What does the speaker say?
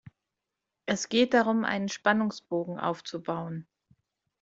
Es geht darum, einen Spannungsbogen aufzubauen.